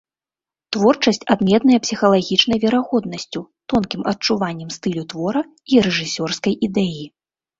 Творчасць адметная псіхалагічнай верагоднасцю, тонкім адчуваннем стылю твора і рэжысёрскай ідэі.